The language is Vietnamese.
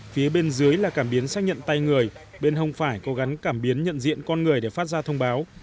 phía bên dưới là cảm biến xác nhận tay người bên hông phải có gắn cảm biến nhận diện con người để phát ra thông báo